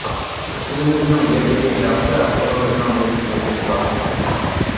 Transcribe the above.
ئۈنىمىزنىڭ يەتكىنى ناخشا، قۇلىمىزنىڭ يەتكىنى دۇتتا.